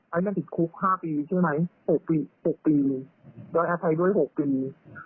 ไอ้มันถิดคุก๕ปีใช่ไหม๖ปีโดยแอภัยด้วย๖ปี